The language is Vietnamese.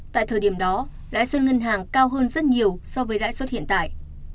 tại thời điểm đó lãi suất ngân hàng cao hơn rất nhiều so với lãi suất hiện tại